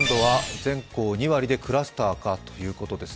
全校２割でクラスターかということです。